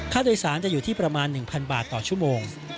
ค่าโดยสารจะอยู่ที่ประมาณ๑๐๐บาทต่อชั่วโมง